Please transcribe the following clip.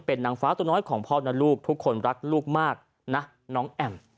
เป็นนางฟ้าตัวน้อยของพ่อนะลูกทุกคนรักลูกมากนะน้องแอม